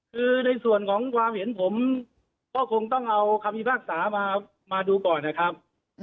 คือในส่วนของความเห็นผมก็คงต้องเอาคำพิพากษามาดูก่อนนะครับ